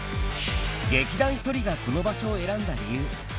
劇団ひとりがその場所を選んだ理由。